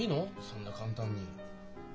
そんな簡単に。